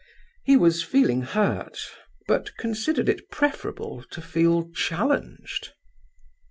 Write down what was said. He was feeling hurt, but considered it preferable to feel challenged.